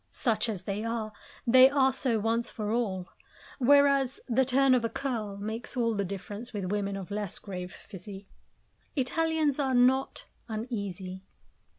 Such as they are, they are so once for all; whereas, the turn of a curl makes all the difference with women of less grave physique. Italians are not uneasy.